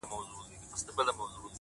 • دوى خو، له غمه څه خوندونه اخلي،